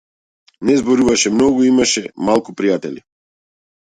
Не зборуваше многу и имаше малку пријатели.